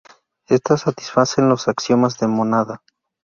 Estas satisfacen los axiomas de mónada.